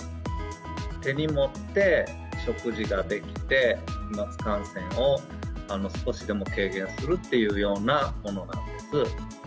手に持って、食事ができて、飛まつ感染を少しでも軽減するっていうようなものなんです。